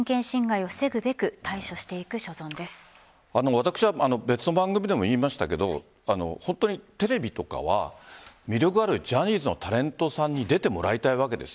私は別の番組でも言いましたけれど本当にテレビとかは魅力のあるジャニーズのタレントさんに出てもらいたいわけです。